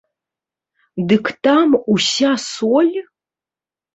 Дык там уся соль?